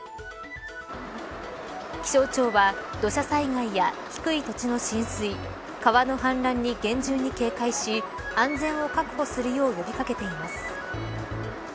気象庁は土砂災害や低い土地の浸水川の氾濫に厳重に警戒し安全を確保するよう呼び掛けています。